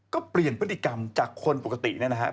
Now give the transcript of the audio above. ก็เปลี่ยนพฤติกรรมจากคนปกติเนี่ยนะครับ